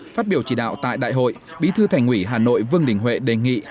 phát biểu chỉ đạo tại đại hội bí thư thành ủy hà nội vương đình huệ đề nghị